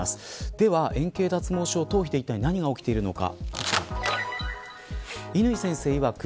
では、円形脱毛症頭皮でいったい何が起きているのか。